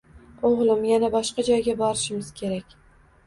Oʻgʻlim yana boshqa joyga borishimiz kerak.